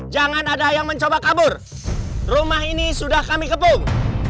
jangan ada yang mencoba kabur rumah ini sudah kami kepung